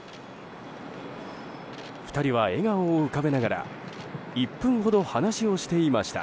２人は笑顔を浮かべながら１分ほど話をしていました。